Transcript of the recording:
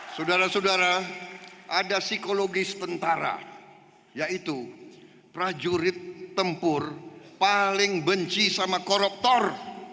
saudara saudara ada psikologis tentara yaitu prajurit tempur paling benci sama koruptor